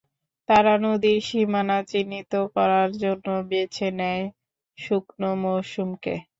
তারা নদীর সীমানা চিহ্নিত করার জন্য বেছে নেয় শুকনো মৌসুমকে।